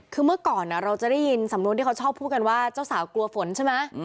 คือเมื่อก่อนเราจะได้ยินสำนวนที่เขาชอบพูดกันว่าเจ้าสาวกลัวฝนใช่ไหม